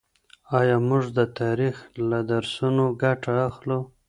آيا موږ د تاريخ له درسونو ګټه اخلو؟